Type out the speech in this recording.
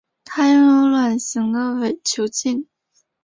它拥有卵形的伪球茎。